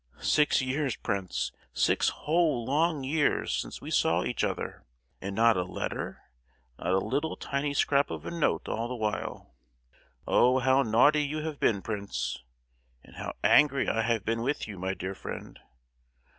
Six years, prince, six whole long years since we saw each other, and not a letter, not a little tiny scrap of a note all the while. Oh, how naughty you have been, prince! And how angry I have been with you, my dear friend!